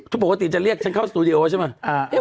ปกติจะเรียกฉันเข้าสตูดิโอใช่ไหม